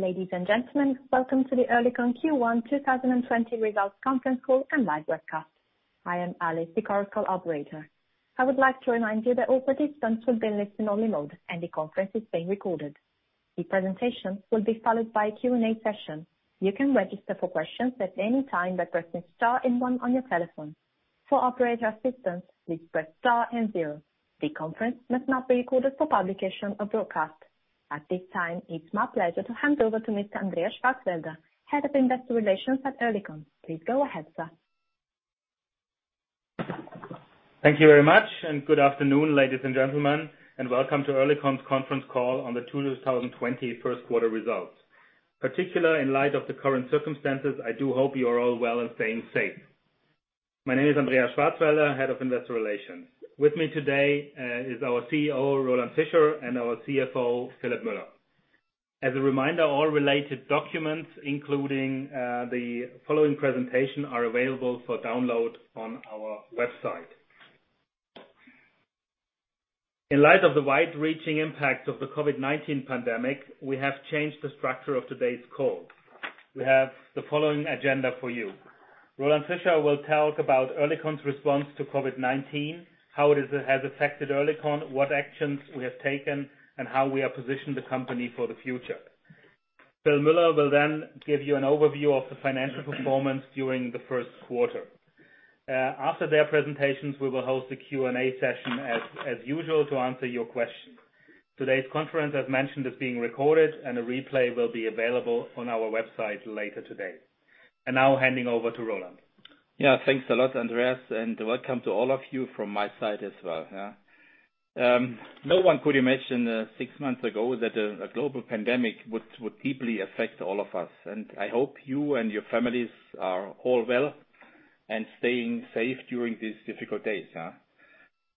Ladies and gentlemen, welcome to the Oerlikon Q1 2020 results conference call and live webcast. I am Alice, the Chorus Call operator. I would like to remind you that all participants will be in listen-only mode and the conference is being recorded. The presentation will be followed by a Q and A session. You can register for questions at any time by pressing star and one on your telephone. For operator assistance, please press star and zero. The conference must not be recorded for publication or broadcast. At this time, it's my pleasure to hand over to Mr. Andreas Schwarzwälder, head of investor relations at Oerlikon. Please go ahead, sir. Thank you very much. Good afternoon, ladies and gentlemen, and welcome to Oerlikon's conference call on the 2020 first quarter results. Particular in light of the current circumstances, I do hope you are all well and staying safe. My name is Andreas Schwarzwälder, Head of Investor Relations. With me today is our CEO, Roland Fischer, and our CFO, Philipp Müller. As a reminder, all related documents, including the following presentation, are available for download on our website. In light of the wide-reaching impact of the COVID-19 pandemic, we have changed the structure of today's call. We have the following agenda for you. Roland Fischer will talk about Oerlikon's response to COVID-19, how it has affected Oerlikon, what actions we have taken, and how we have positioned the company for the future. Philipp Müller will give you an overview of the financial performance during the first quarter. After their presentations, we will host a Q and A session as usual to answer your questions. Today's conference, as mentioned, is being recorded, and a replay will be available on our website later today. Now handing over to Roland. Yeah. Thanks a lot, Andreas, welcome to all of you from my side as well. No one could imagine six months ago that a global pandemic would deeply affect all of us. I hope you and your families are all well and staying safe during these difficult days.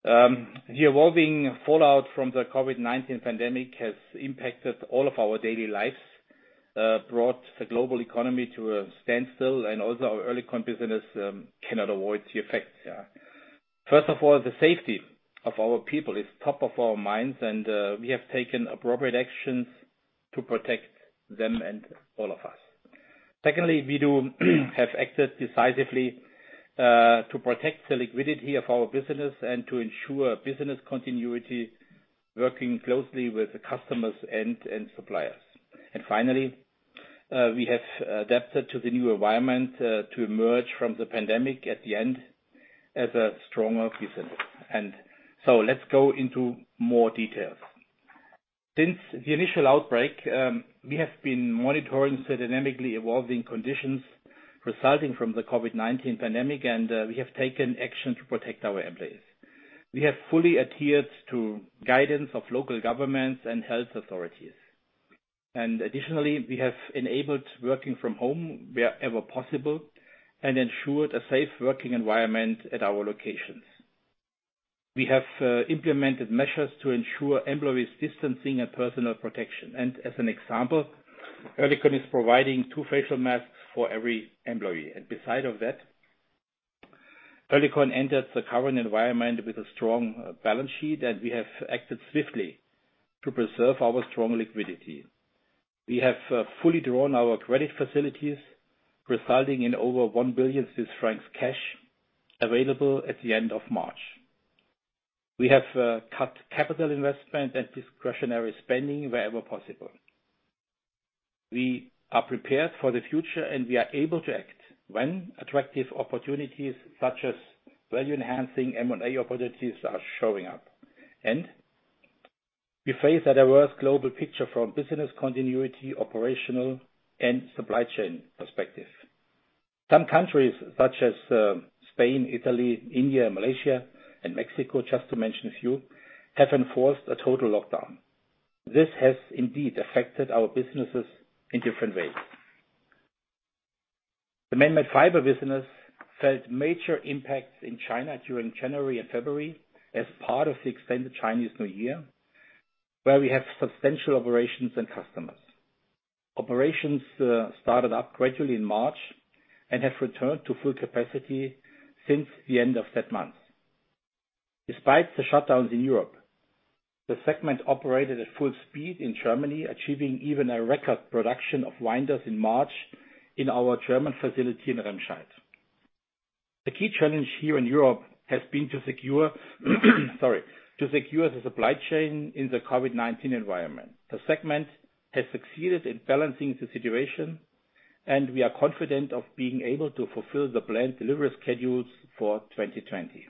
The evolving fallout from the COVID-19 pandemic has impacted all of our daily lives, brought the global economy to a standstill, and also our Oerlikon business cannot avoid the effects. First of all, the safety of our people is top of our minds, and we have taken appropriate actions to protect them and all of us. Secondly, we do have acted decisively to protect the liquidity of our business and to ensure business continuity, working closely with the customers and suppliers. Finally, we have adapted to the new environment to emerge from the pandemic at the end as a stronger business. Let's go into more details. Since the initial outbreak, we have been monitoring the dynamically evolving conditions resulting from the COVID-19 pandemic, and we have taken action to protect our employees. We have fully adhered to guidance of local governments and health authorities. Additionally, we have enabled working from home wherever possible and ensured a safe working environment at our locations. We have implemented measures to ensure employees' distancing and personal protection. As an example, Oerlikon is providing two facial masks for every employee. Beside of that, Oerlikon entered the current environment with a strong balance sheet, and we have acted swiftly to preserve our strong liquidity. We have fully drawn our credit facilities, resulting in over 1 billion Swiss francs cash available at the end of March. We have cut capital investment and discretionary spending wherever possible. We are prepared for the future, and we are able to act when attractive opportunities such as value-enhancing M&A opportunities are showing up. We face a diverse global picture from business continuity, operational, and supply chain perspective. Some countries such as Spain, Italy, India, Malaysia, and Mexico, just to mention a few, have enforced a total lockdown. This has indeed affected our businesses in different ways. The Manmade Fibers business felt major impacts in China during January and February as part of the extended Chinese New Year, where we have substantial operations and customers. Operations started up gradually in March and have returned to full capacity since the end of that month. Despite the shutdowns in Europe, the segment operated at full speed in Germany, achieving even a record production of winders in March in our German facility in Remscheid. The key challenge here in Europe has been to secure the supply chain in the COVID-19 environment. The segment has succeeded in balancing the situation, and we are confident of being able to fulfill the planned delivery schedules for 2020.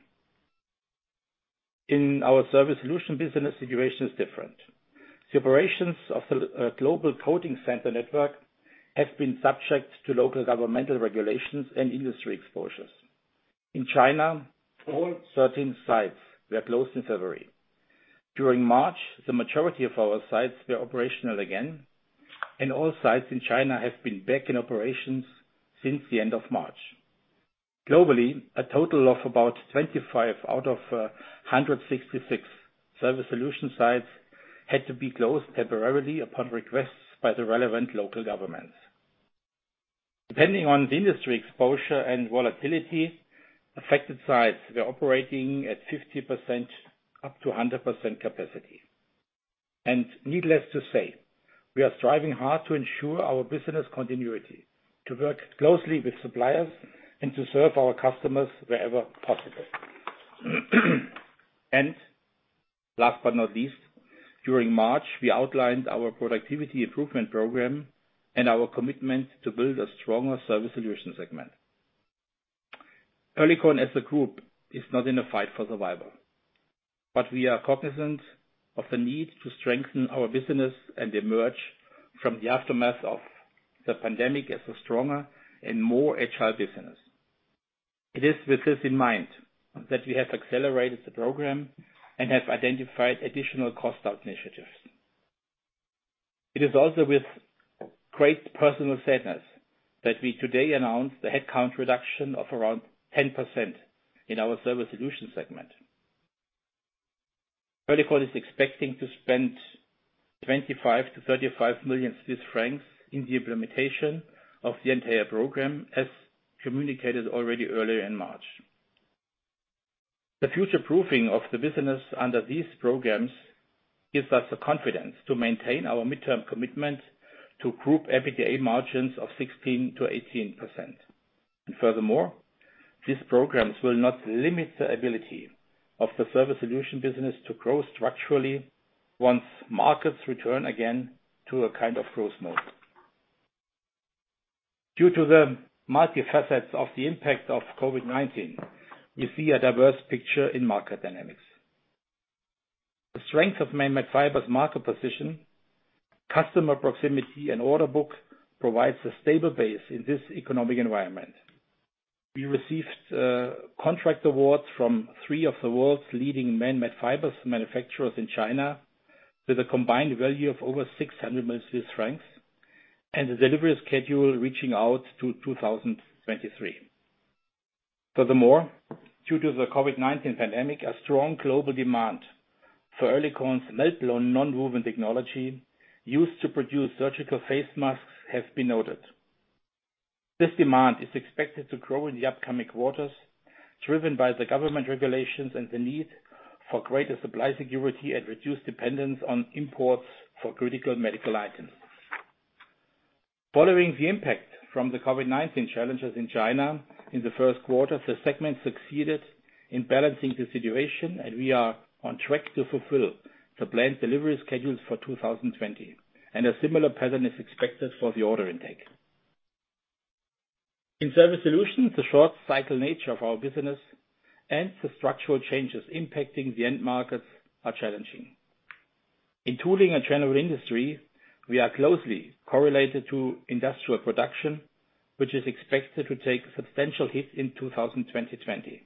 In our Surface Solutions business, the situation is different. The operations of the global coating center network have been subject to local governmental regulations and industry exposures. In China, all 13 sites were closed in February. During March, the majority of our sites were operational again, and all sites in China have been back in operations since the end of March. Globally, a total of about 25 out of 166 Surface Solutions sites had to be closed temporarily upon requests by the relevant local governments. Depending on the industry exposure and volatility, affected sites, we are operating at 50% up to 100% capacity. Needless to say, we are striving hard to ensure our business continuity, to work closely with suppliers and to serve our customers wherever possible. Last but not least, during March, we outlined our productivity improvement program and our commitment to build a stronger Surface Solutions segment. Oerlikon as a group is not in a fight for survival, but we are cognizant of the need to strengthen our business and emerge from the aftermath of the pandemic as a stronger and more agile business. It is with this in mind that we have accelerated the program and have identified additional cost out initiatives. It is also with great personal sadness that we today announce the headcount reduction of around 10% in our Surface Solutions segment. Oerlikon is expecting to spend 25 million to 35 million Swiss francs in the implementation of the entire program, as communicated already earlier in March. The future-proofing of the business under these programs gives us the confidence to maintain our midterm commitment to group EBITDA margins of 16%-18%. Furthermore, these programs will not limit the ability of the Surface Solutions business to grow structurally once markets return again to a kind of growth mode. Due to the multi-facets of the impact of COVID-19, we see a diverse picture in market dynamics. The strength of Manmade Fibers market position, customer proximity, and order book provides a stable base in this economic environment. We received contract awards from three of the world's leading Manmade Fibers manufacturers in China with a combined value of over 600 million francs and the delivery schedule reaching out to 2023. Furthermore, due to the COVID-19 pandemic, a strong global demand for Oerlikon's melt-blown nonwoven technology used to produce surgical face masks has been noted. This demand is expected to grow in the upcoming quarters, driven by the government regulations and the need for greater supply security and reduced dependence on imports for critical medical items. Following the impact from the COVID-19 challenges in China in the first quarter, the segment succeeded in balancing the situation and we are on track to fulfill the planned delivery schedules for 2020, and a similar pattern is expected for the order intake. In Surface Solutions, the short cycle nature of our business and the structural changes impacting the end markets are challenging. In tooling and general industry, we are closely correlated to industrial production, which is expected to take a substantial hit in 2020.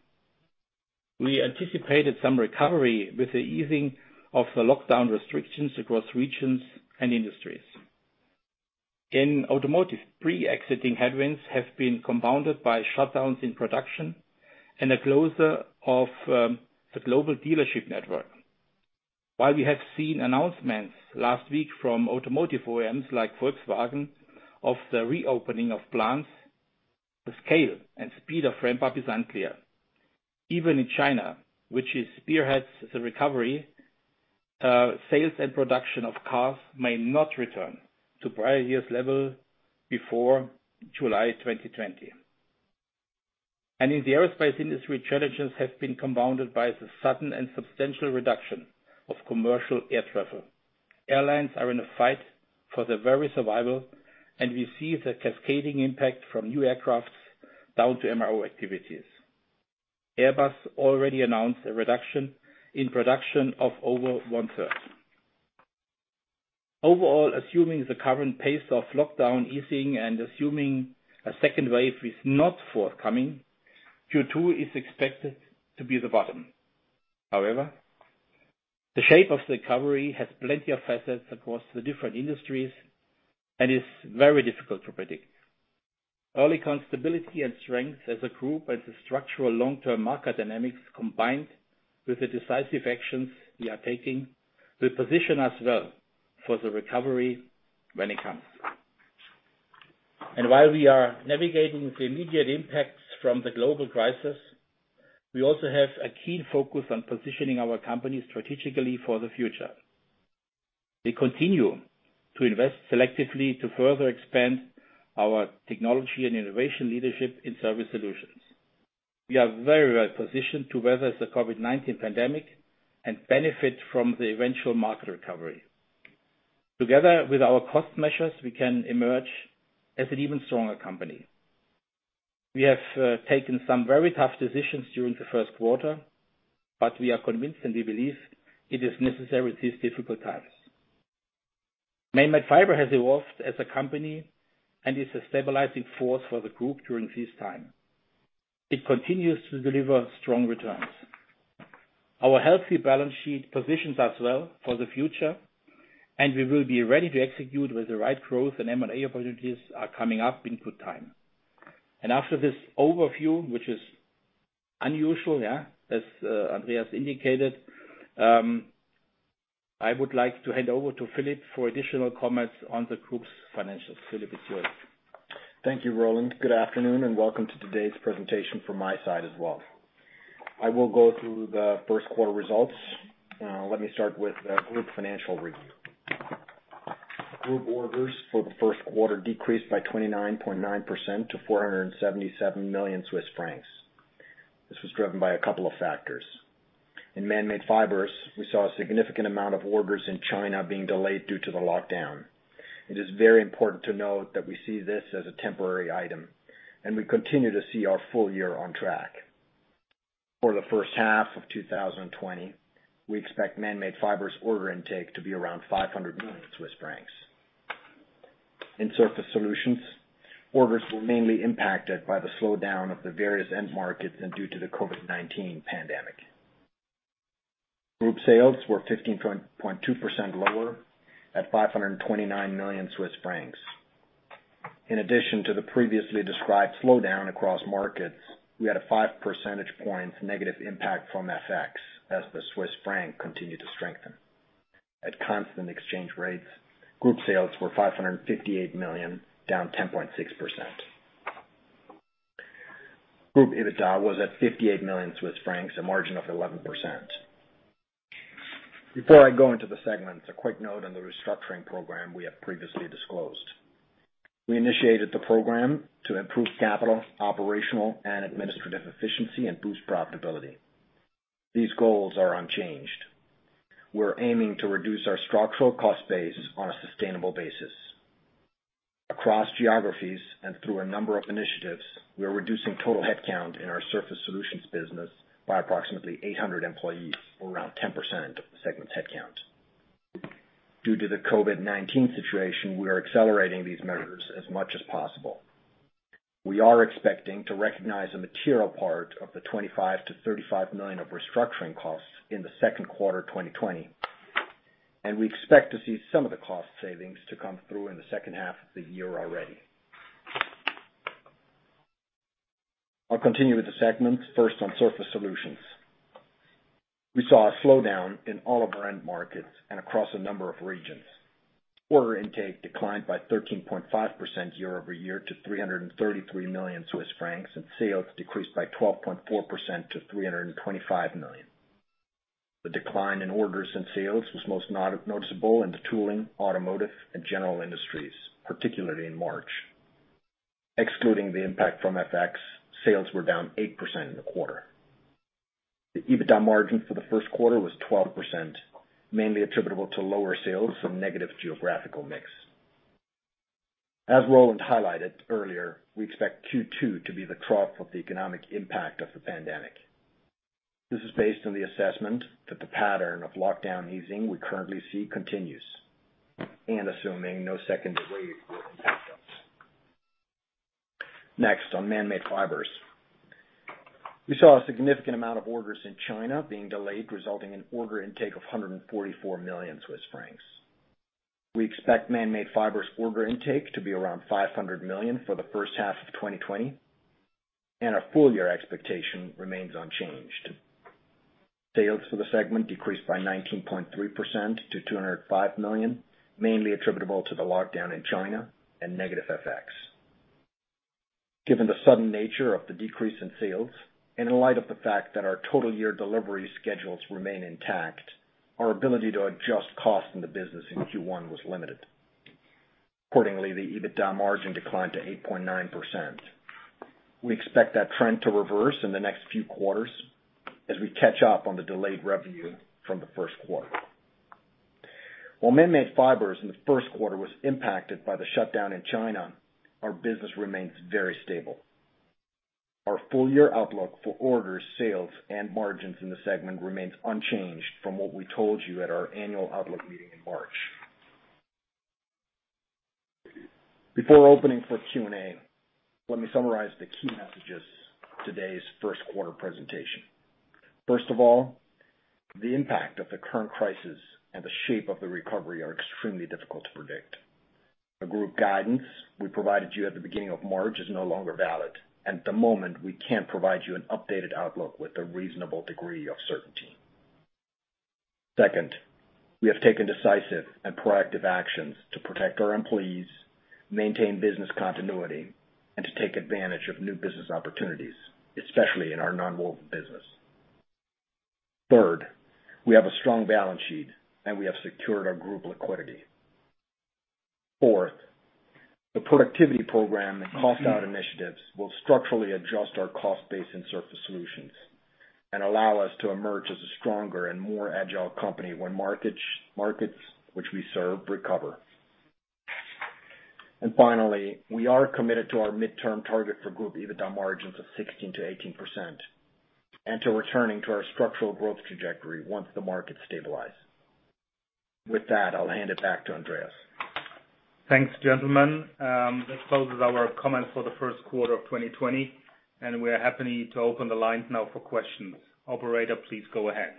We anticipated some recovery with the easing of the lockdown restrictions across regions and industries. In automotive, pre-existing headwinds have been compounded by shutdowns in production and a closure of the global dealership network. While we have seen announcements last week from automotive OEMs like Volkswagen of the reopening of plants, the scale and speed of ramp-up is unclear. Even in China, which spearheads the recovery, sales and production of cars may not return to prior years level before July 2020. In the aerospace industry, challenges have been compounded by the sudden and substantial reduction of commercial air travel. Airlines are in a fight for their very survival, and we see the cascading impact from new aircraft down to MRO activities. Airbus already announced a reduction in production of over one-third. Overall, assuming the current pace of lockdown easing and assuming a second wave is not forthcoming, Q2 is expected to be the bottom. However, the shape of the recovery has plenty of facets across the different industries and is very difficult to predict. Oerlikon's stability and strength as a group and the structural long-term market dynamics, combined with the decisive actions we are taking, will position us well for the recovery when it comes. While we are navigating the immediate impacts from the global crisis, we also have a keen focus on positioning our company strategically for the future. We continue to invest selectively to further expand our technology and innovation leadership in Surface Solutions. We are very well positioned to weather the COVID-19 pandemic and benefit from the eventual market recovery. Together with our cost measures, we can emerge as an even stronger company. We have taken some very tough decisions during the first quarter, but we are convinced and we believe it is necessary at these difficult times. Manmade Fibers has evolved as a company and is a stabilizing force for the group during this time. It continues to deliver strong returns. Our healthy balance sheet positions us well for the future, and we will be ready to execute with the right growth and M&A opportunities are coming up in good time. After this overview, which is unusual, as Andreas indicated. I would like to hand over to Philipp for additional comments on the group's financials. Philipp, it's yours. Thank you, Roland. Good afternoon, and welcome to today's presentation from my side as well. I will go through the first quarter results. Let me start with the group financial review. Group orders for the first quarter decreased by 29.9% to 477 million Swiss francs. This was driven by a couple of factors. In Manmade Fibers, we saw a significant amount of orders in China being delayed due to the lockdown. It is very important to note that we see this as a temporary item, and we continue to see our full year on track. For the first half of 2020, we expect Manmade Fibers order intake to be around 500 million Swiss francs. In Surface Solutions, orders were mainly impacted by the slowdown of the various end markets and due to the COVID-19 pandemic. Group sales were 15.2% lower at 529 million Swiss francs. In addition to the previously described slowdown across markets, we had a five percentage points negative impact from FX, as the Swiss franc continued to strengthen. At constant exchange rates, group sales were 558 million, down 10.6%. Group EBITDA was at 58 million Swiss francs, a margin of 11%. Before I go into the segments, a quick note on the restructuring program we have previously disclosed. We initiated the program to improve capital, operational, and administrative efficiency and boost profitability. These goals are unchanged. We're aiming to reduce our structural cost base on a sustainable basis. Across geographies and through a number of initiatives, we are reducing total headcount in our Surface Solutions business by approximately 800 employees, or around 10% of the segment's headcount. Due to the COVID-19 situation, we are accelerating these measures as much as possible. We are expecting to recognize a material part of the 25 million-35 million of restructuring costs in the second quarter 2020, and we expect to see some of the cost savings to come through in the second half of the year already. I'll continue with the segments. First on Surface Solutions. We saw a slowdown in all of our end markets and across a number of regions. Order intake declined by 13.5% year-over-year to 333 million Swiss francs, sales decreased by 12.4% to 325 million. The decline in orders and sales was most noticeable in the tooling, automotive, and general industries, particularly in March. Excluding the impact from FX, sales were down 8% in the quarter. The EBITDA margin for the first quarter was 12%, mainly attributable to lower sales from negative geographical mix. As Roland highlighted earlier, we expect Q2 to be the trough of the economic impact of the pandemic. This is based on the assessment that the pattern of lockdown easing we currently see continues, and assuming no second wave will impact us. Next, on Manmade Fibers. We saw a significant amount of orders in China being delayed, resulting in order intake of 144 million Swiss francs. We expect Manmade Fibers order intake to be around 500 million for the first half of 2020, and our full year expectation remains unchanged. Sales for the segment decreased by 19.3% to 205 million, mainly attributable to the lockdown in China and negative FX. Given the sudden nature of the decrease in sales, and in light of the fact that our total year delivery schedules remain intact, our ability to adjust cost in the business in Q1 was limited. Accordingly, the EBITDA margin declined to 8.9%. We expect that trend to reverse in the next few quarters as we catch up on the delayed revenue from the first quarter. While Manmade Fibers in the first quarter was impacted by the shutdown in China, our business remains very stable. Our full year outlook for orders, sales, and margins in the segment remains unchanged from what we told you at our annual outlook meeting in March. Before opening for Q and A, let me summarize the key messages of today's first quarter presentation. First of all, the impact of the current crisis and the shape of the recovery are extremely difficult to predict. The group guidance we provided you at the beginning of March is no longer valid, and at the moment, we can't provide you an updated outlook with a reasonable degree of certainty. Second, we have taken decisive and proactive actions to protect our employees, maintain business continuity, and to take advantage of new business opportunities, especially in our non-woven business. Third, we have a strong balance sheet, and we have secured our group liquidity. Fourth, the productivity program and cost-out initiatives will structurally adjust our cost base in Surface Solutions and allow us to emerge as a stronger and more agile company when markets which we serve recover. Finally, we are committed to our midterm target for group EBITDA margins of 16%-18% and to returning to our structural growth trajectory once the markets stabilize. With that, I'll hand it back to Andreas. Thanks, gentlemen. This closes our comments for the first quarter of 2020, and we are happy to open the lines now for questions. Operator, please go ahead.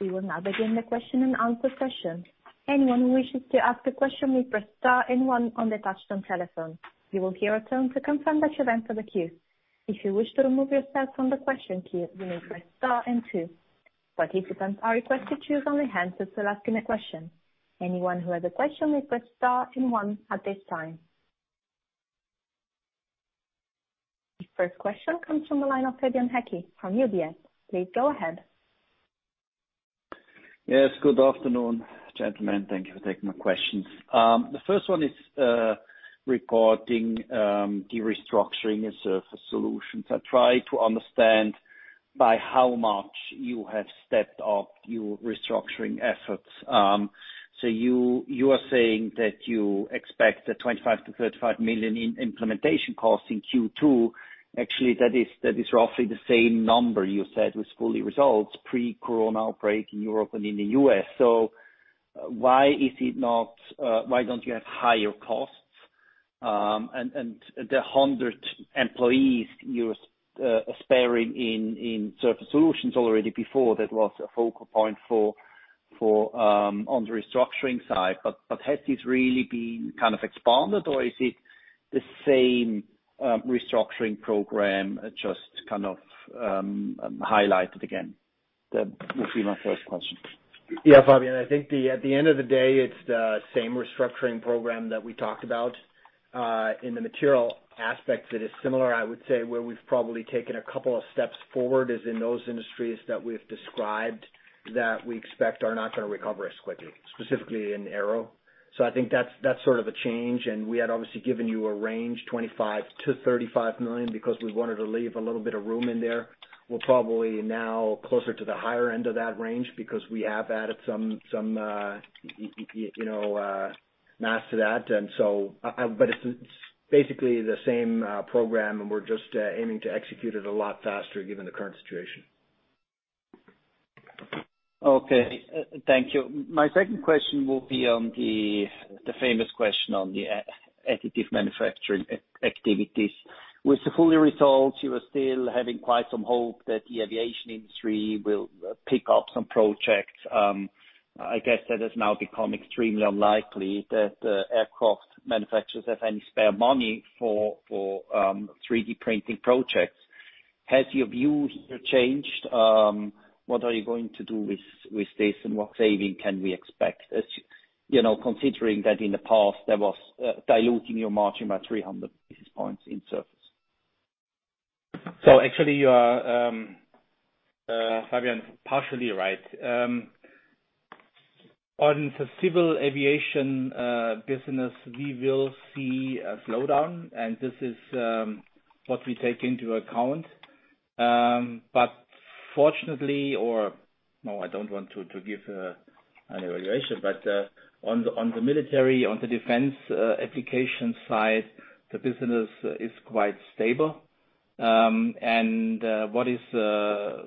We will now begin the question-and-answer session. Anyone who wishes to ask a question, please press star and one on the touch-tone telephone. You will hear a tone to confirm that you entered the queue. If you wish to remove yourself from the question queue, you may press star and two. Participants are requested to raise only hands if they're asking a question. Anyone who has a question, may press star and one at this time. The first question comes from the line of Fabian Haecki from UBS. Please go ahead. Yes. Good afternoon, gentlemen. Thank you for taking my questions. The first one is regarding the restructuring in Surface Solutions. I try to understand by how much you have stepped up your restructuring efforts. You are saying that you expect a 25 million to 35 million in implementation costs in Q2. Actually, that is roughly the same number you said with full results pre-corona outbreak in Europe and in the U.S. Why don't you have higher costs? The 100 employees you are sparing in Surface Solutions already before that was a focal point on the restructuring side. Has this really been kind of expanded or is it the same restructuring program just kind of highlighted again? That will be my first question. Yeah, Fabian. I think at the end of the day, it's the same restructuring program that we talked about. In the material aspect, it is similar. I would say where we've probably taken a couple of steps forward is in those industries that we've described that we expect are not going to recover as quickly, specifically in aero. I think that's sort of a change. We had obviously given you a range, 25 million-35 million because we wanted to leave a little bit of room in there. We're probably now closer to the higher end of that range because we have added some mass to that. It's basically the same program and we're just aiming to execute it a lot faster given the current situation. Okay. Thank you. My second question will be on the famous question on the additive manufacturing activities. With the full year results, you are still having quite some hope that the aviation industry will pick up some projects. I guess that has now become extremely unlikely that the aircraft manufacturers have any spare money for 3D printing projects. Has your view here changed? What are you going to do with this, and what saving can we expect as considering that in the past, there was diluting your margin by 300 basis points in Surface? Actually, you are, Fabian, partially right. On the civil aviation business, we will see a slowdown, and this is what we take into account. No, I don't want to give an evaluation, but on the military, on the defense application side, the business is quite stable. What is the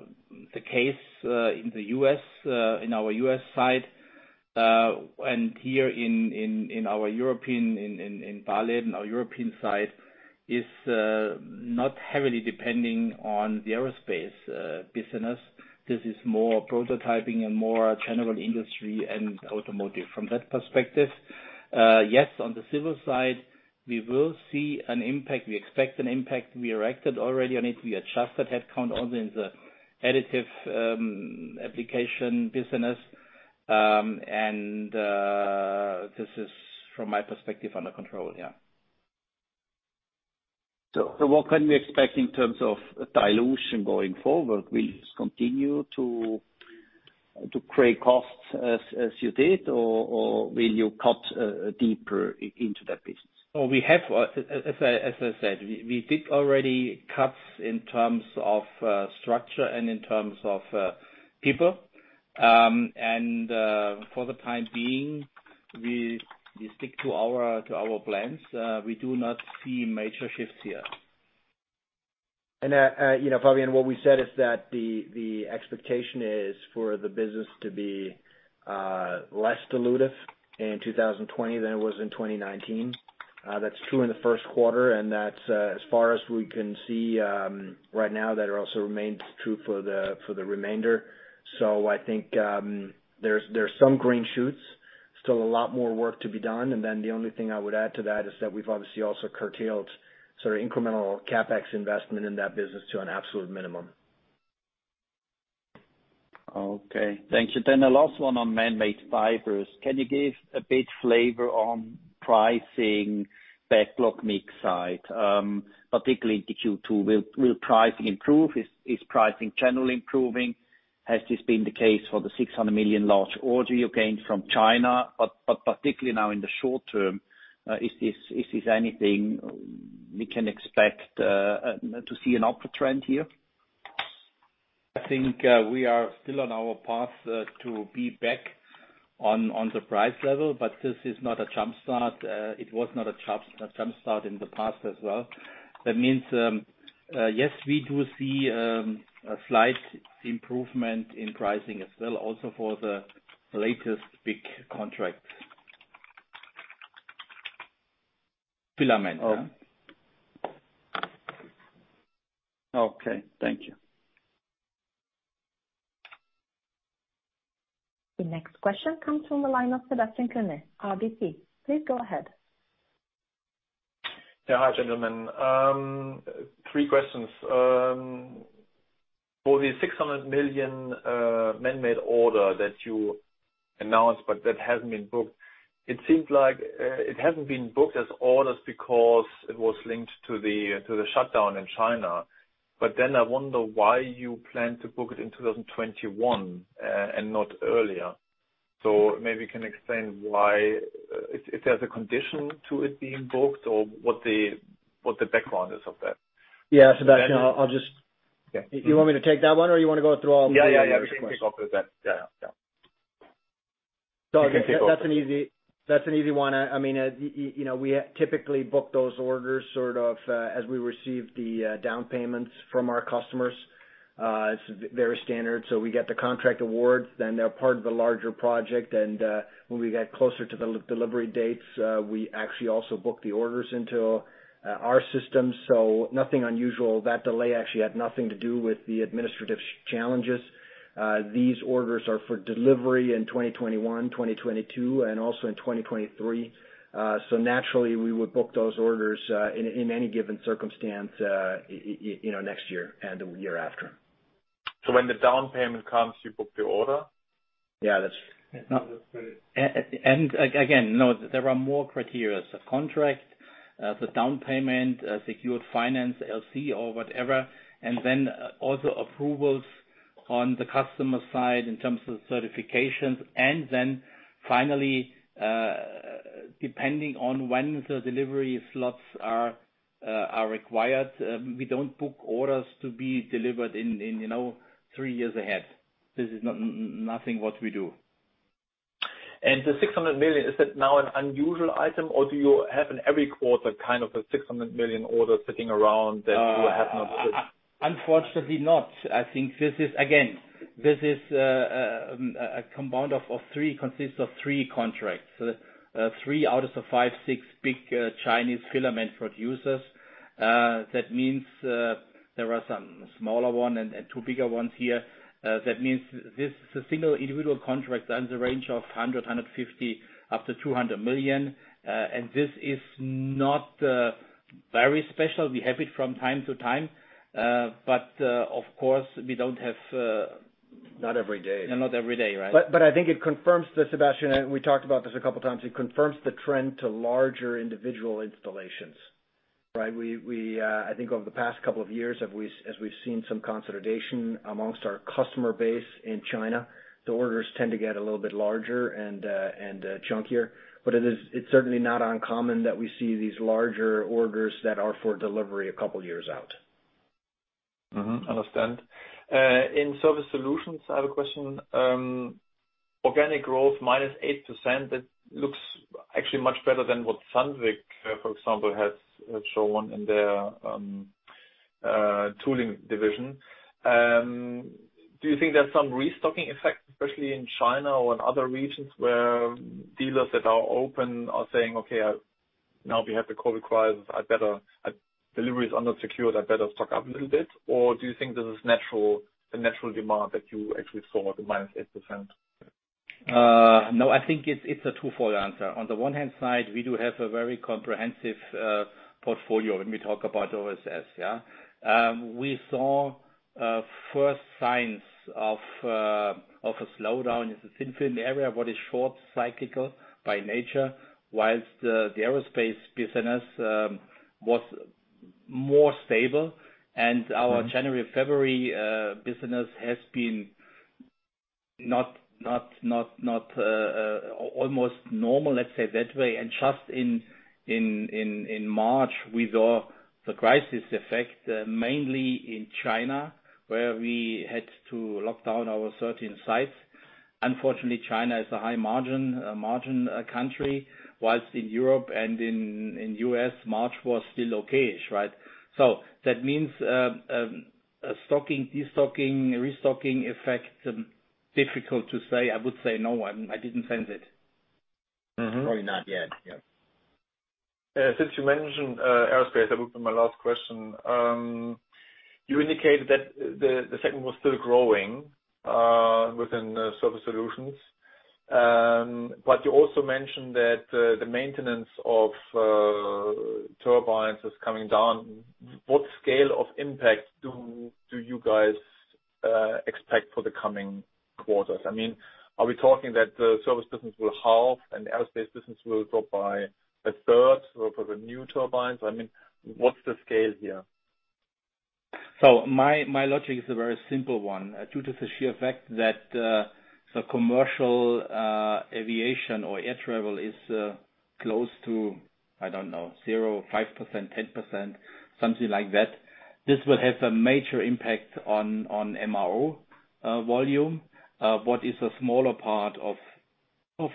case in our U.S. site and here in our European site in Feldkirchen, is not heavily depending on the aerospace business. This is more prototyping and more general industry and automotive from that perspective. Yes, on the civil side, we will see an impact. We expect an impact. We reacted already on it. We adjusted headcount only in the additive application business. This is, from my perspective, under control. What can we expect in terms of dilution going forward? Will you continue to create costs as you did, or will you cut deeper into that business? As I said, we did already cuts in terms of structure and in terms of people. For the time being, we stick to our plans. We do not see major shifts here. Fabian, what we said is that the expectation is for the business to be less dilutive in 2020 than it was in 2019. That's true in the first quarter, and that's as far as we can see right now, that also remains true for the remainder. I think there's some green shoots. Still a lot more work to be done. The only thing I would add to that is that we've obviously also curtailed incremental CapEx investment in that business to an absolute minimum. Okay. Thank you. The last one on Manmade Fibers. Can you give a bit flavor on pricing backlog mix side, particularly into Q2? Will pricing improve? Is pricing generally improving? Has this been the case for the 600 million large order you gained from China? Particularly now in the short term, is this anything we can expect to see an upward trend here? I think we are still on our path to be back on the price level. This is not a jump start. It was not a jump start in the past as well. That means, yes, we do see a slight improvement in pricing as well also for the latest big contracts filament. Okay. Thank you. The next question comes from the line of Sebastian Kuenne, RBC. Please go ahead. Hi, gentlemen. Three questions. For the 600 million Manmade Fibers order that you announced, but that hasn't been booked, it seems like it hasn't been booked as orders because it was linked to the shutdown in China. I wonder why you plan to book it in 2021, and not earlier. Maybe you can explain why. If there's a condition to it being booked or what the background is of that. Yeah. Sebastian, I'll just Yeah. You want me to take that one or you want to go through all three of the questions? Yeah. You can take off with that. Yeah. That's an easy one. We typically book those orders sort of as we receive the down payments from our customers. It's very standard. We get the contract awards, then they're part of a larger project, and when we get closer to the delivery dates, we actually also book the orders into our system. Nothing unusual. That delay actually had nothing to do with the administrative challenges. These orders are for delivery in 2021, 2022, and also in 2023. Naturally we would book those orders, in any given circumstance, next year and the year after. When the down payment comes, you book the order? Yeah, that's- Again, no, there are more criteria. Contract, the down payment, secured finance, LC or whatever, and then also approvals on the customer side in terms of certifications. Finally, depending on when the delivery slots are required, we don't book orders to be delivered in three years ahead. This is nothing what we do. The 600 million, is that now an unusual item or do you have in every quarter kind of a 600 million order sitting around that you have not shipped? Unfortunately not. This consists of three contracts. Three out of the five, six big Chinese filament producers. There are some smaller ones and two bigger ones here. This is a single individual contract under range of 100 million, 150 million, up to 200 million. This is not very special. We have it from time to time. Of course, we don't have. Not every day. Not every day, right. I think it confirms this, Sebastian, and we talked about this a couple of times. It confirms the trend to larger individual installations, right? I think over the past couple of years, as we've seen some consolidation amongst our customer base in China, the orders tend to get a little bit larger and chunkier. It's certainly not uncommon that we see these larger orders that are for delivery a couple of years out. Understand. In Surface Solutions, I have a question. Organic growth -8%, that looks actually much better than what Sandvik, for example, has shown in their tooling division. Do you think there's some restocking effect, especially in China or in other regions where dealers that are open are saying, "Okay, now we have the COVID-19 crisis, deliveries are not secure, I better stock up a little bit"? Do you think this is the natural demand that you actually saw, the minus 8%? No, I think it's a twofold answer. On the one hand side, we do have a very comprehensive portfolio when we talk about OSS, yeah. We saw first signs of a slowdown in the thin film area, what is short cyclical by nature, whilst the aerospace business was more stable. Our January, February business has been almost normal, let's say that way. Just in March, we saw the crisis effect, mainly in China, where we had to lock down our 13 sites. Unfortunately, China is a high-margin country, whilst in Europe and in U.S., March was still okay-ish, right? That means a restocking effect, difficult to say. I would say no, I didn't sense it. Probably not yet. Yeah. Since you mentioned aerospace, that would be my last question. You indicated that the segment was still growing within Surface Solutions. You also mentioned that the maintenance of turbines is coming down. What scale of impact do you guys expect for the coming quarters? Are we talking that the service business will halve and the aerospace business will drop by a third for the new turbines? What's the scale here? My logic is a very simple one. Due to the sheer fact that the commercial aviation or air travel is close to, I don't know, 0% or 5%, 10%, something like that, this will have a major impact on MRO volume. What is a smaller part of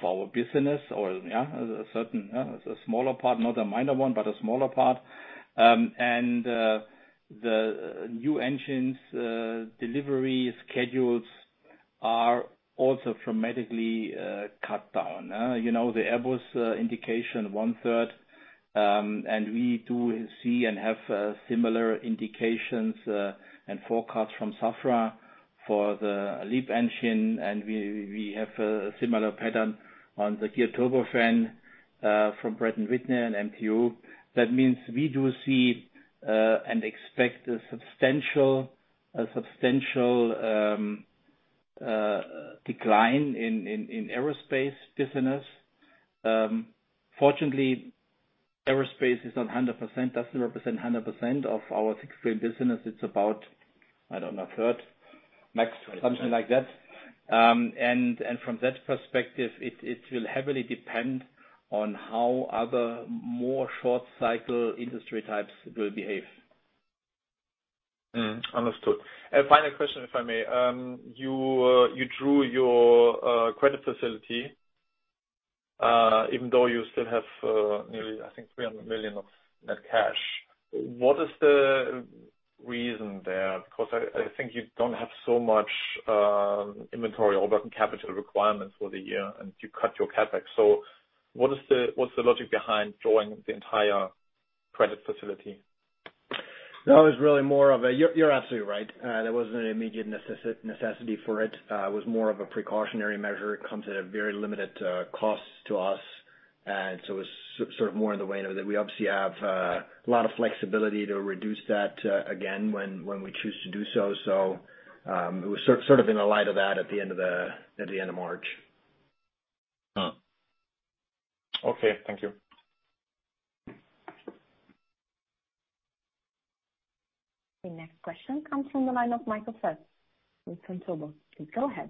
our business or, yeah, a certain, a smaller part, not a minor one, but a smaller part. The new engines delivery schedules are also dramatically cut down. The Airbus indication one-third. We do see and have similar indications and forecasts from Safran for the LEAP engine, and we have a similar pattern on the geared turbofan from Pratt & Whitney and MTU. That means we do see and expect a substantial decline in aerospace business. Fortunately, aerospace doesn't represent 100% of our textile business. It's about, I don't know, a third max, something like that. From that perspective, it will heavily depend on how other more short cycle industry types will behave. Understood. A final question, if I may. You drew your credit facility, even though you still have nearly, I think, 300 million of net cash. What is the reason there? Because I think you don't have so much inventory or working capital requirements for the year, and you cut your CapEx. What's the logic behind drawing the entire credit facility? You're absolutely right. There wasn't an immediate necessity for it. It was more of a precautionary measure. It comes at a very limited cost to us. It was sort of more in the way of that we obviously have a lot of flexibility to reduce that again when we choose to do so. It was sort of in the light of that at the end of March. Okay. Thank you. The next question comes from the line of Michael Foeth with Bank Vontobel. Please go ahead.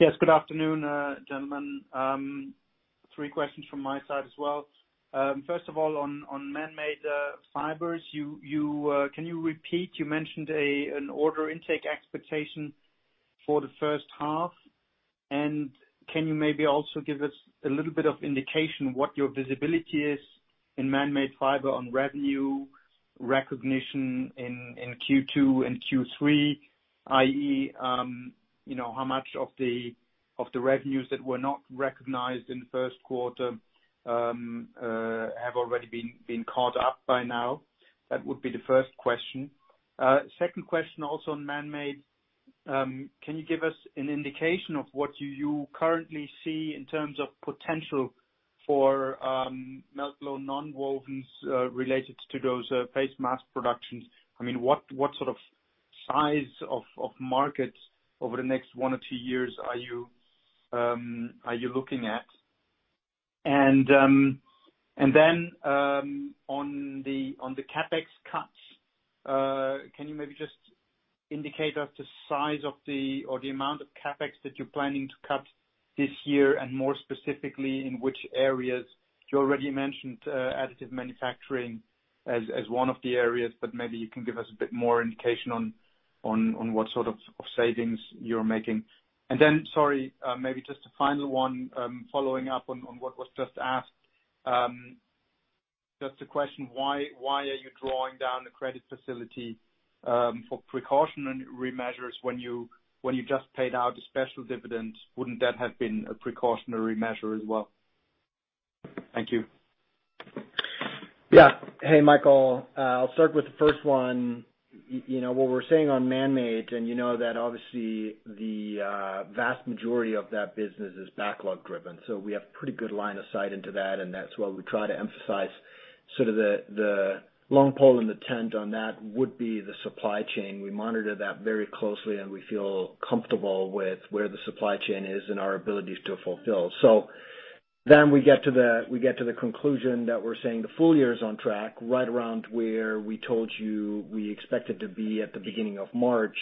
Yes, good afternoon, gentlemen. Three questions from my side as well. First of all, on Manmade Fibers. Can you repeat, you mentioned an order intake expectation for the first half, and can you maybe also give us a little bit of indication what your visibility is in Manmade Fibers on revenue recognition in Q2 and Q3, i.e., how much of the revenues that were not recognized in the first quarter have already been caught up by now? That would be the first question. Second question also on Manmade Fibers. Can you give us an indication of what you currently see in terms of potential for melt-blown nonwovens related to those face mask productions? I mean, what sort of size of market over the next one or two years are you looking at? On the CapEx cuts, can you maybe just indicate us the size of the or the amount of CapEx that you're planning to cut this year, and more specifically, in which areas? You already mentioned additive manufacturing as one of the areas, but maybe you can give us a bit more indication on what sort of savings you're making. Sorry, maybe just a final one following up on what was just asked. Just a question, why are you drawing down the credit facility for precautionary measures when you just paid out a special dividend? Wouldn't that have been a precautionary measure as well? Thank you. Yeah. Hey, Michael. I'll start with the first one. What we're seeing on Manmade, you know that obviously the vast majority of that business is backlog driven. We have pretty good line of sight into that, and that's why we try to emphasize sort of the long pole in the tent on that would be the supply chain. We monitor that very closely, and we feel comfortable with where the supply chain is and our abilities to fulfill. We get to the conclusion that we're saying the full year is on track right around where we told you we expected to be at the beginning of March.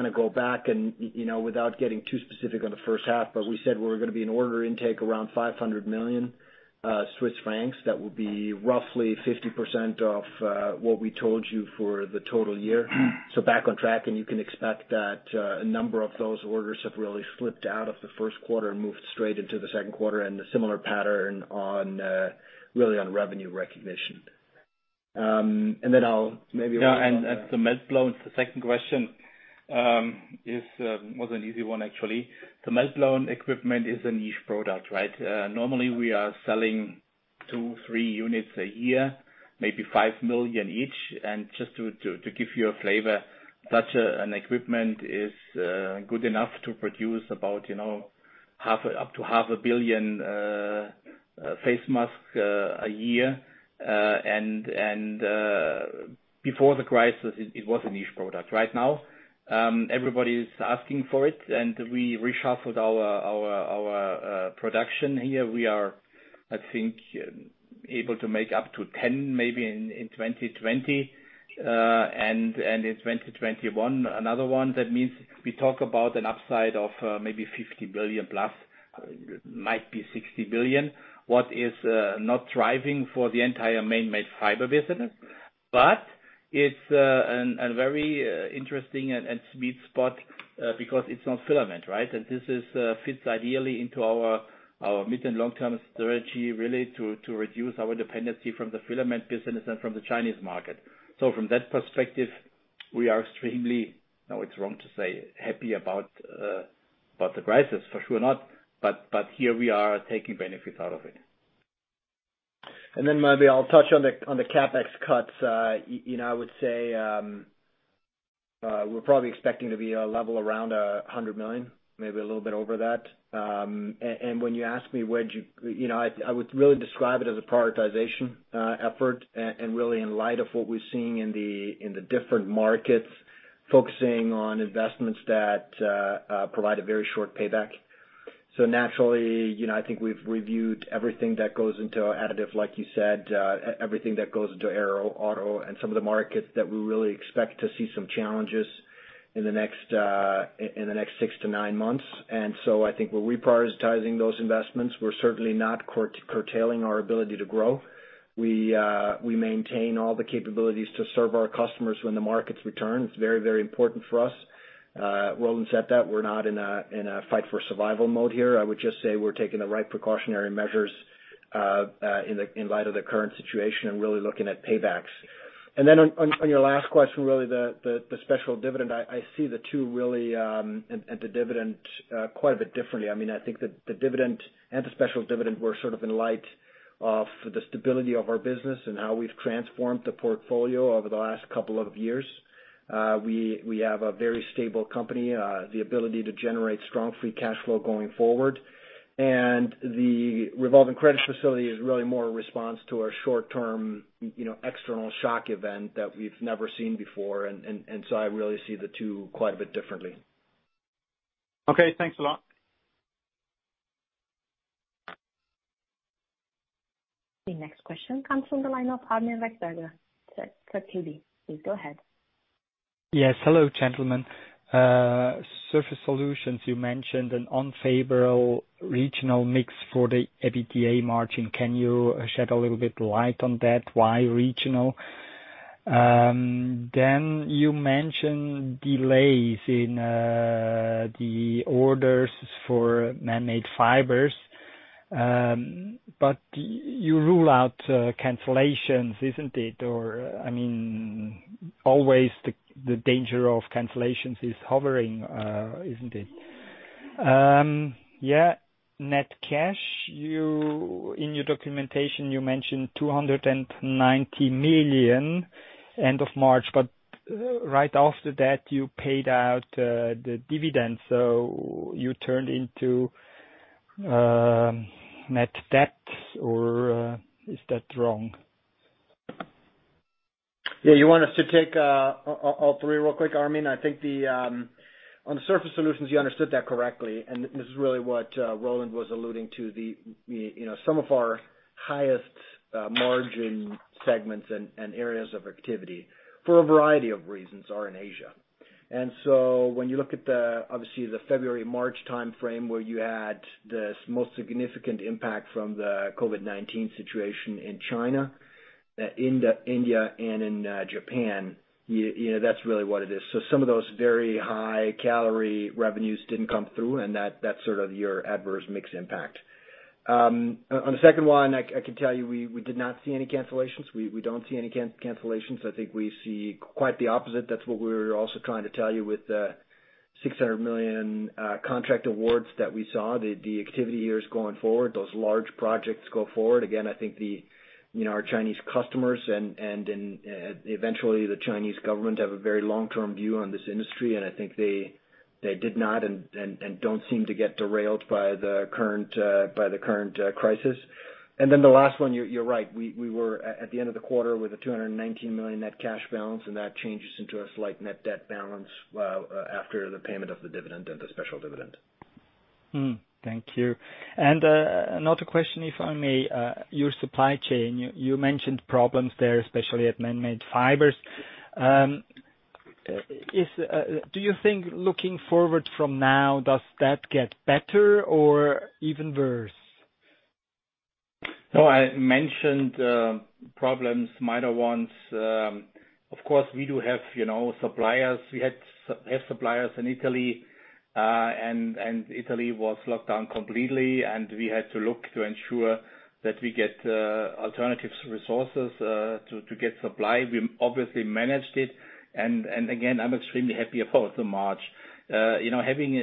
I go back, without getting too specific on the first half, we said we're going to be in order intake around 500 million Swiss francs. That will be roughly 50% of what we told you for the total year. Back on track. You can expect that a number of those orders have really slipped out of the first quarter and moved straight into the second quarter, and a similar pattern really on revenue recognition. Yeah, the melt-blown, the second question was an easy one, actually. The melt-blown equipment is a niche product, right? Normally, we are selling two, three units a year, maybe 5 million each. Just to give you a flavor, such an equipment is good enough to produce about up to half a billion face masks a year. Before the crisis, it was a niche product. Right now, everybody is asking for it, and we reshuffled our production here. We are, I think able to make up to 10 maybe in 2020. In 2021, another one. That means we talk about an upside of maybe 50 billion plus, might be 60 billion. What is not thriving for the entire Manmade Fibers business, but it's a very interesting and sweet spot because it's not filament, right? This fits ideally into our mid- and long-term strategy, really, to reduce our dependency from the filament business and from the Chinese market. From that perspective, we are extremely, now it's wrong to say happy about the crisis, for sure not, but here we are taking benefits out of it. Maybe I'll touch on the CapEx cuts. I would say, we're probably expecting to be a level around 100 million, maybe a little bit over that. When you ask me where I would really describe it as a prioritization effort, really in light of what we're seeing in the different markets, focusing on investments that provide a very short payback. Naturally, I think we've reviewed everything that goes into additive, like you said, everything that goes into aero, auto and some of the markets that we really expect to see some challenges in the next six to nine months. I think we're reprioritizing those investments. We're certainly not curtailing our ability to grow. We maintain all the capabilities to serve our customers when the markets return. It's very important for us. Roland said that we're not in a fight for survival mode here. I would just say we're taking the right precautionary measures in light of the current situation and really looking at paybacks. Then on your last question, really the special dividend, I see the two really, and the dividend, quite a bit differently. I think that the dividend and the special dividend were sort of in light of the stability of our business and how we've transformed the portfolio over the last couple of years. We have a very stable company, the ability to generate strong free cash flow going forward. The revolving credit facility is really more a response to our short term, external shock event that we've never seen before. So I really see the two quite a bit differently. Okay. Thanks a lot. The next question comes from the line of Armin Wegner, Jefferies. Please go ahead. Yes. Hello, gentlemen. Surface Solutions, you mentioned an unfavorable regional mix for the EBITDA margin. Can you shed a little bit light on that? Why regional? You mentioned delays in the orders for Manmade Fibers. You rule out cancellations, isn't it? Always the danger of cancellations is hovering, isn't it? Net cash, in your documentation, you mentioned 290 million end of March, right after that, you paid out the dividends. You turned into net debt or is that wrong? Yeah. You want us to take all three real quick, Armin? I think on the Surface Solutions, you understood that correctly, and this is really what Roland was alluding to. Some of our highest margin segments and areas of activity, for a variety of reasons, are in Asia. When you look at the, obviously the February, March timeframe where you had the most significant impact from the COVID-19 situation in China, India, and in Japan, that's really what it is. Some of those very high calorie revenues didn't come through, and that's sort of your adverse mix impact. On the second one, I can tell you, we did not see any cancellations. We don't see any cancellations. I think we see quite the opposite. That's what we were also trying to tell you with the 600 million contract awards that we saw, the activity here is going forward. Those large projects go forward. I think our Chinese customers and eventually the Chinese government have a very long-term view on this industry, and I think they did not and don't seem to get derailed by the current crisis. The last one, you're right. We were at the end of the quarter with a 219 million net cash balance, and that changes into a slight net debt balance after the payment of the dividend and the special dividend. Thank you. Another question, if I may. Your supply chain, you mentioned problems there, especially at Manmade Fibers. Do you think looking forward from now, does that get better or even worse? I mentioned problems, minor ones. Of course, we do have suppliers. We have suppliers in Italy. Italy was locked down completely, we had to look to ensure that we get alternative resources, to get supply. We obviously managed it. Again, I'm extremely happy about the March. Having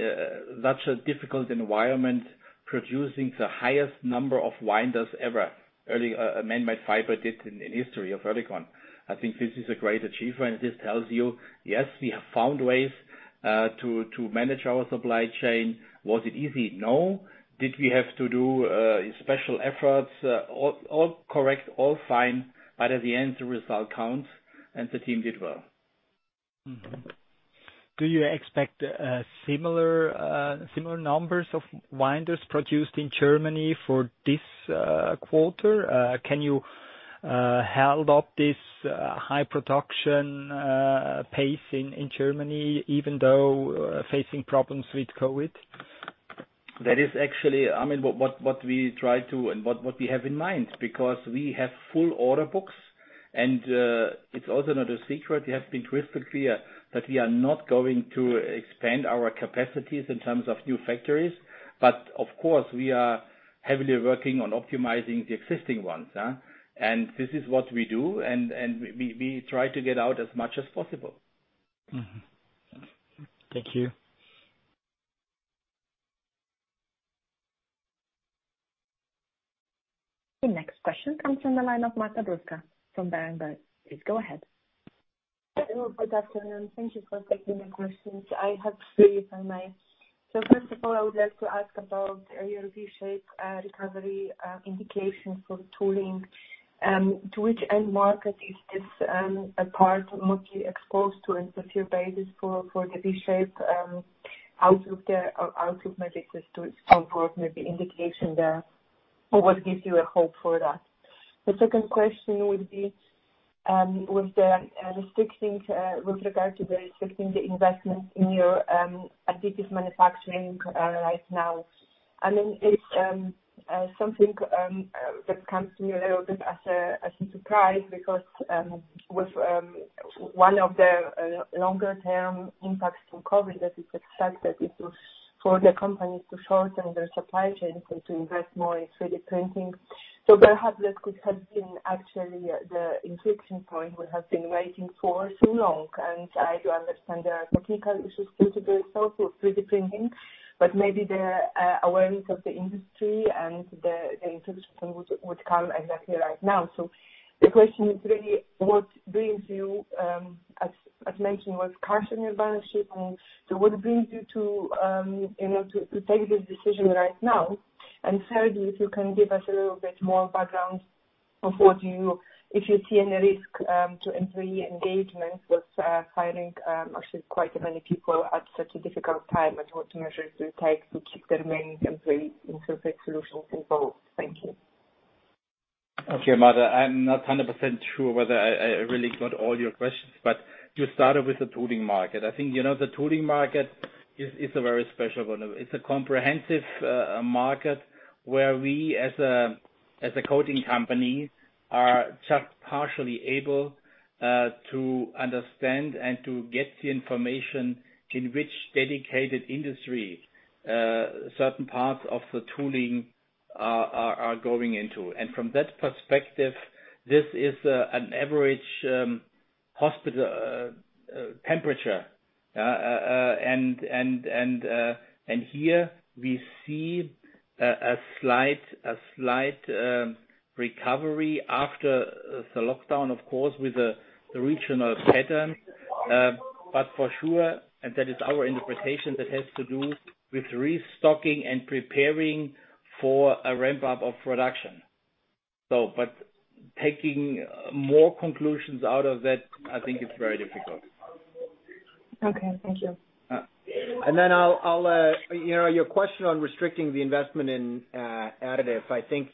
such a difficult environment producing the highest number of winders ever Manmade Fibers did in history of Oerlikon. I think this is a great achievement. This tells you, yes, we have found ways to manage our supply chain. Was it easy? No. Did we have to do special efforts? All correct, all fine. At the end, the result counts, the team did well. Do you expect similar numbers of winders produced in Germany for this quarter? Can you hold up this high production pace in Germany, even though facing problems with COVID? That is actually what we try to, and what we have in mind, because we have full order books. It's also not a secret, we have been crystal clear that we are not going to expand our capacities in terms of new factories. Of course, we are heavily working on optimizing the existing ones. This is what we do, and we try to get out as much as possible. Thank you. The next question comes from the line of Marta Bruska from Berenberg. Please go ahead. Hello. Good afternoon. Thank you for taking my questions. I have three if I may. First of all, I would like to ask about your V-shaped recovery indications for tooling. To which end market is this part mostly exposed to in the near basis for the V-shape outlook maybe as to its output, maybe indication there, or what gives you a hope for that? The second question would be with regard to the restricting the investments in your additive manufacturing right now. It's something that comes to me a little bit as a surprise because with one of the longer-term impacts from COVID that is accepted is for the companies to shorten their supply chain and to invest more in 3D printing. Perhaps this has been actually the inflection point we have been waiting for so long, and I do understand there are technical issues still to be solved with 3D printing, but maybe the awareness of the industry and the inflection point would come exactly right now. The question is really what brings you, as mentioned, with Carson your partnership, and so what brings you to take this decision right now? Thirdly, if you can give us a little bit more background of if you see any risk to employee engagement with firing actually quite many people at such a difficult time, and what measures do you take to keep the remaining employees in Surface Solutions involved? Thank you. Okay, Marta. I'm not 100% sure whether I really got all your questions. You started with the tooling market. I think, the tooling market is a very special one. It's a comprehensive market where we, as a coating company, are just partially able to understand and to get the information in which dedicated industry certain parts of the tooling are going into. From that perspective, this is an average temperature. Here we see a slight recovery after the lockdown, of course, with a regional pattern. For sure, and that is our interpretation, that has to do with restocking and preparing for a ramp-up of production. Taking more conclusions out of that, I think it's very difficult. Okay. Thank you. Yeah. Your question on restricting the investment in additive, I think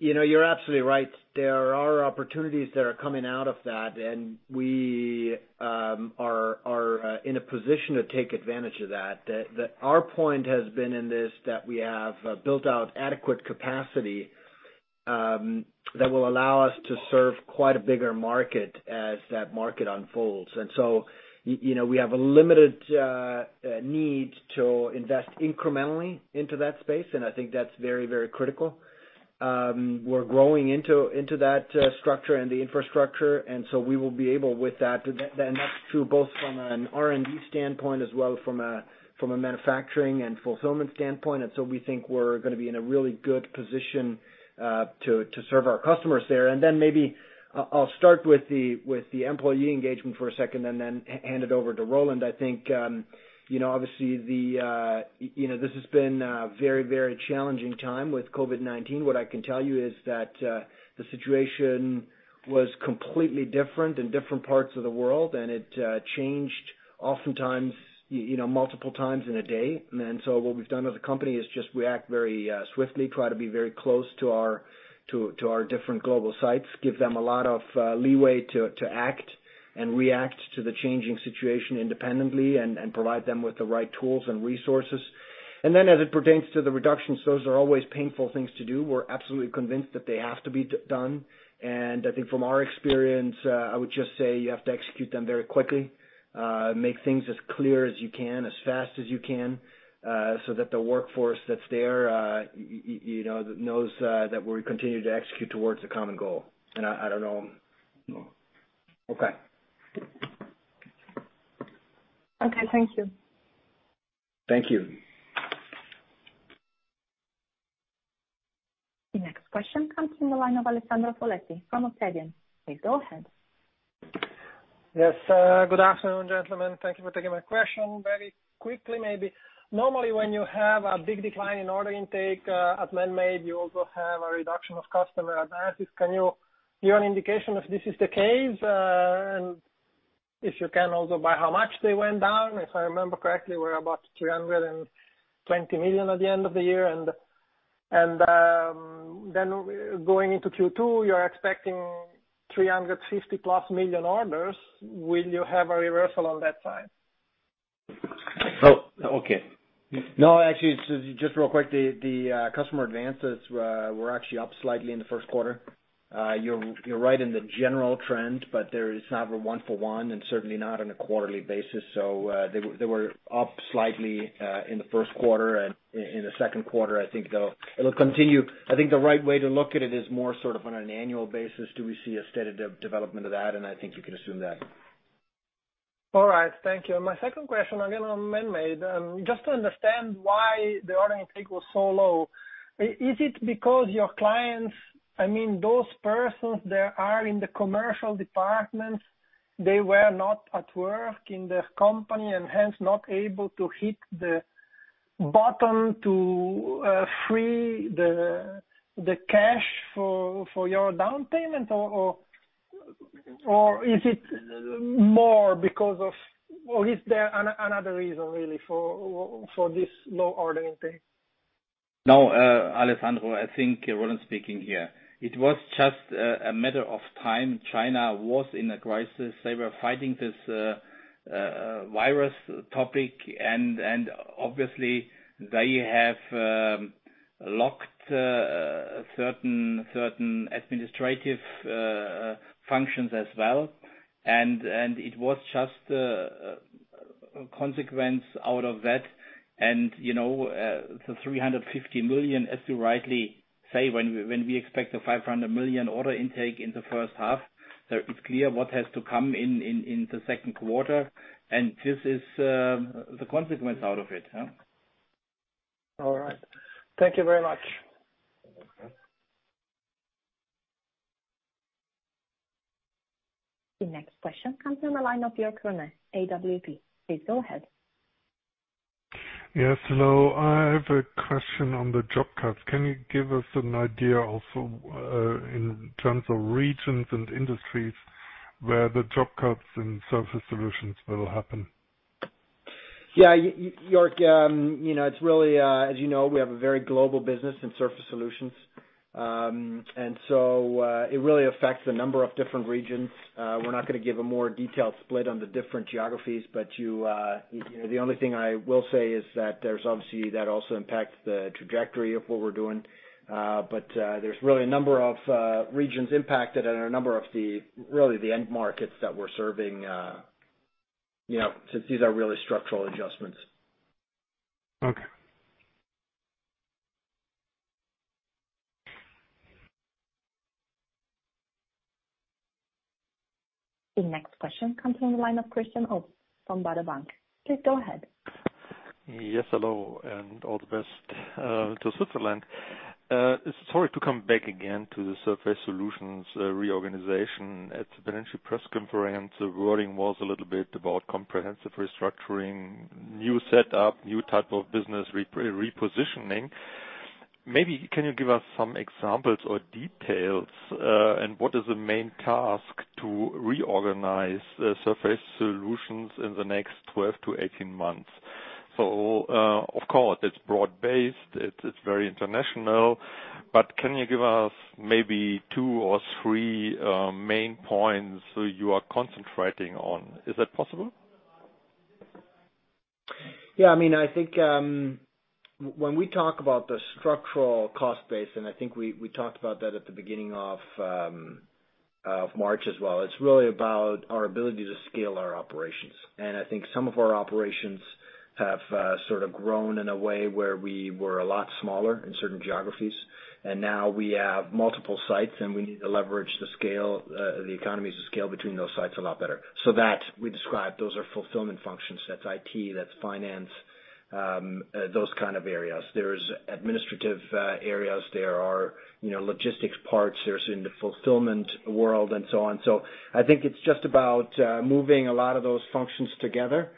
you're absolutely right. There are opportunities that are coming out of that, and we are in a position to take advantage of that. Our point has been in this, that we have built out adequate capacity that will allow us to serve quite a bigger market as that market unfolds. We have a limited need to invest incrementally into that space, and I think that's very, very critical. We're growing into that structure and the infrastructure, and so we will be able with that. That's true both from an R&D standpoint, as well as from a manufacturing and fulfillment standpoint. We think we're gonna be in a really good position to serve our customers there. Maybe I'll start with the employee engagement for a second and then hand it over to Roland. I think, obviously, this has been a very challenging time with COVID-19. What I can tell you is that the situation was completely different in different parts of the world, and it changed oftentimes multiple times in a day. What we've done as a company is just react very swiftly, try to be very close to our different global sites, give them a lot of leeway to act and react to the changing situation independently and provide them with the right tools and resources. As it pertains to the reductions, those are always painful things to do. We're absolutely convinced that they have to be done. I think from our experience, I would just say you have to execute them very quickly. Make things as clear as you can, as fast as you can, so that the workforce that's there knows that we continue to execute towards a common goal. I don't know. Okay. Okay. Thank you. Thank you. The next question comes from the line of Alessandro Poletti from Baader-Helvea. Please go ahead. Yes. Good afternoon, gentlemen. Thank you for taking my question. Very quickly, maybe. Normally, when you have a big decline in order intake at Manmade, you also have a reduction of customer advances. Can you give an indication if this is the case? If you can also by how much they went down? If I remember correctly, we're about 320 million at the end of the year. Going into Q2, you're expecting 350-plus million orders. Will you have a reversal on that side? Oh, okay. No, actually, just real quick, the customer advances were actually up slightly in the first quarter. You're right in the general trend, there is not a one for one, and certainly not on a quarterly basis. They were up slightly in the first quarter, and in the second quarter, I think it'll continue. I think the right way to look at it is more sort of on an annual basis. Do we see a steady development of that? I think you can assume that. All right, thank you. My second question, again, on Manmade. Just to understand why the order intake was so low. Is it because your clients, those persons that are in the commercial departments, they were not at work in their company and hence not able to hit the button to free the cash for your down payment? Or is there another reason really for this low order intake? No, Alessandro. Roland speaking here. It was just a matter of time. China was in a crisis. They were fighting this virus topic, and obviously they have locked certain administrative functions as well. It was just a consequence out of that. The 350 million, as you rightly say, when we expect a 500 million order intake in the first half, it's clear what has to come in the second quarter, and this is the consequence out of it. All right. Thank you very much. Okay. The next question comes from the line of Jörg Kroner, AWP. Please go ahead. Yes, hello. I have a question on the job cuts. Can you give us an idea also in terms of regions and industries where the job cuts in Surface Solutions will happen? Yeah. Jörg, as you know, we have a very global business in Surface Solutions. It really affects a number of different regions. We're not going to give a more detailed split on the different geographies, but the only thing I will say is that there's obviously that also impacts the trajectory of what we're doing. There's really a number of regions impacted and a number of really the end markets that we're serving, since these are really structural adjustments. Okay. The next question comes from the line of Christian Obst from Baader Bank. Please go ahead. Yes, hello and all the best to Switzerland. Sorry to come back again to the Surface Solutions reorganization. At the financial press conference, the wording was a little bit about comprehensive restructuring, new setup, new type of business repositioning. Maybe can you give us some examples or details, and what is the main task to reorganize Surface Solutions in the next 12 to 18 months? Of course it's broad-based, it's very international, but can you give us maybe two or three main points you are concentrating on? Is that possible? Yeah. I think when we talk about the structural cost base, I think we talked about that at the beginning of March as well, it's really about our ability to scale our operations. I think some of our operations have sort of grown in a way where we were a lot smaller in certain geographies, and now we have multiple sites and we need to leverage the economies of scale between those sites a lot better. That we describe, those are fulfillment functions. That's IT, that's finance, those kind of areas. There's administrative areas, there are logistics parts, there's in the fulfillment world and so on. I think it's just about moving a lot of those functions together,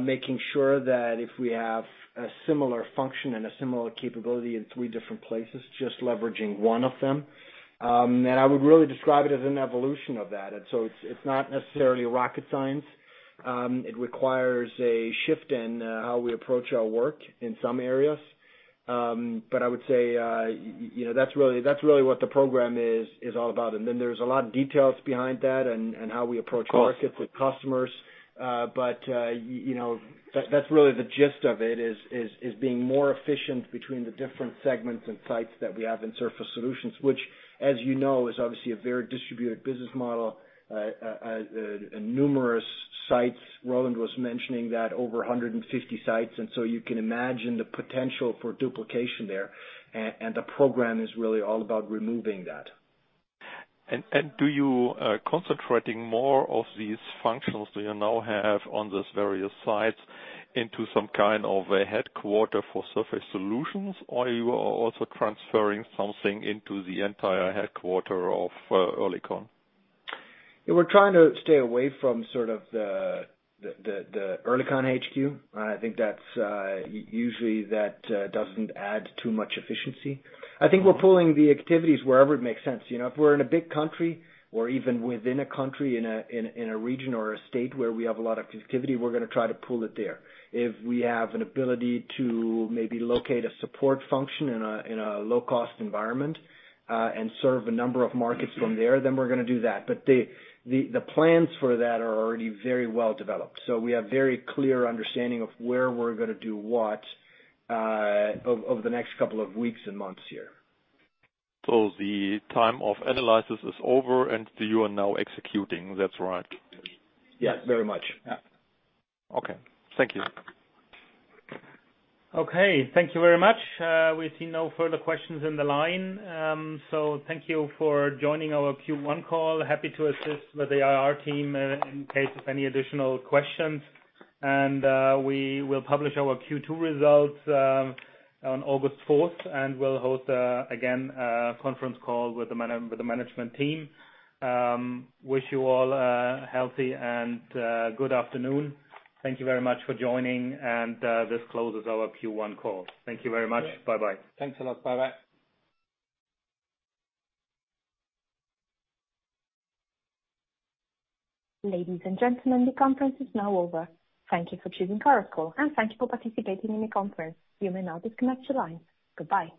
making sure that if we have a similar function and a similar capability in three different places, just leveraging one of them. I would really describe it as an evolution of that. It's not necessarily rocket science. It requires a shift in how we approach our work in some areas. I would say that's really what the program is all about. There's a lot of details behind that and how we approach markets. Of course. with customers. That's really the gist of it, is being more efficient between the different segments and sites that we have in Surface Solutions. Which, as you know, is obviously a very distributed business model, numerous sites. Roland was mentioning that over 150 sites, you can imagine the potential for duplication there. The program is really all about removing that. Are you concentrating more of these functions that you now have on these various sites into some kind of a headquarter for Surface Solutions? Or you are also transferring something into the entire headquarter of Oerlikon? We're trying to stay away from sort of the Oerlikon HQ. I think usually that doesn't add too much efficiency. I think we're pooling the activities wherever it makes sense. If we're in a big country or even within a country, in a region or a state where we have a lot of activity, we're going to try to pool it there. If we have an ability to maybe locate a support function in a low-cost environment, and serve a number of markets from there, then we're going to do that. The plans for that are already very well developed. We have very clear understanding of where we're going to do what, over the next couple of weeks and months here. The time of analysis is over and you are now executing. That's right. Yes, very much. Yeah. Okay. Thank you. Okay. Thank you very much. We see no further questions in the line. Thank you for joining our Q1 call. Happy to assist with the IR team in case of any additional questions. We will publish our Q2 results on August 4th, and we'll host again a conference call with the management team. Wish you all a healthy and good afternoon. Thank you very much for joining. This closes our Q1 call. Thank you very much. Bye-bye. Thanks a lot. Bye-bye. Ladies and gentlemen, the conference is now over. Thank you for choosing Chorus Call, and thank you for participating in the conference. You may now disconnect your lines. Goodbye.